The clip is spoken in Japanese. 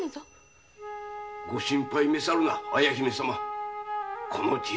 ご心配めさるな綾姫様。